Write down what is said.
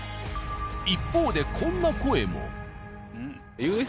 一方でこんな声も。